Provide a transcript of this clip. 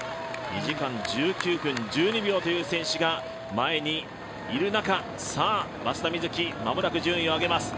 ２時間１９分１２秒という選手が前にいる中、さあ、松田瑞生間もなく順位を上げます。